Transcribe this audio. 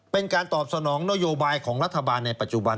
เป็นการตอบสนองนโยบายของรัฐบาลในปัจจุบัน